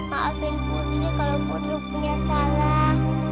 maafin putri kalau putri punya salah